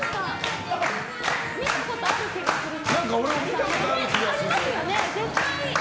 見たことある気がするな。